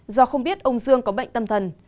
do không biết ông dương có bệnh tâm thần